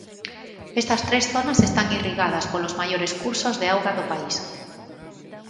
Estas tres zonas están irrigadas polos maiores cursos de auga do país.